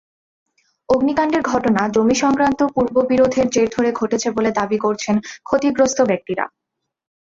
অগ্নিকাণ্ডের ঘটনা জমিসংক্রান্ত পূর্ববিরোধের জের ধরে ঘটেছে বলে দাবি করছেন ক্ষতিগ্রস্ত ব্যক্তিরা।